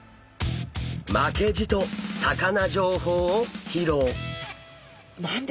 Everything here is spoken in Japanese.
負けじと魚情報を披露！